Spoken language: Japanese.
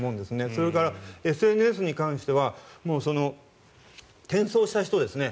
それからＳＮＳに関しては転送した人ですね。